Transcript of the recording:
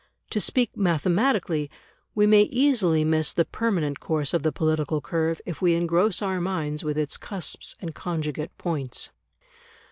To speak mathematically, we may easily miss the permanent course of the political curve if we engross our minds with its cusps and conjugate points.